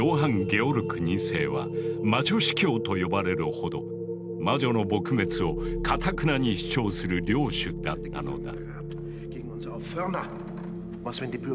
ゲオルク２世は「魔女司教」と呼ばれるほど魔女の撲滅をかたくなに主張する領主だったのだ。